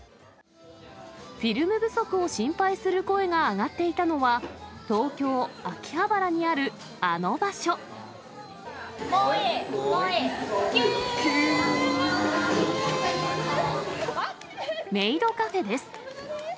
フィルム不足を心配する声が上がっていたのは、東京・秋葉原にあ萌え、萌え、メイドカフェです。